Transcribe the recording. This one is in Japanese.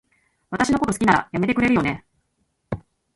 私のこと好きなら、やめてくれるよね？